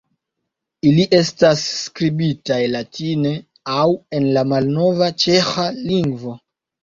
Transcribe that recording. Ili estas skribitaj latine aŭ en la malnova ĉeĥa lingvo.